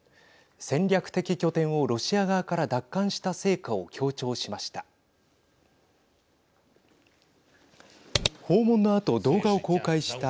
戦略的拠点をロシア側から奪還した成果を強調しました。